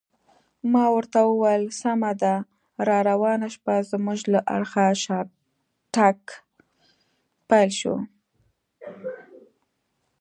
ما ورته وویل: سمه ده، راروانه شپه زموږ له اړخه شاتګ پیل شو.